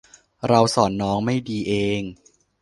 เราสอนน้องไม่ดีเอง